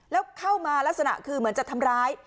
แล้วเข้ามาลักษณะคือเหมือนจะทำร้าย